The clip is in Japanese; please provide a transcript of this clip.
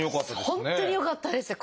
本当によかったですよ。